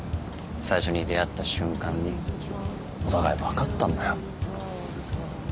最初に出会った瞬間にお互い分かったんだよ。